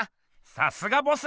さすがボス！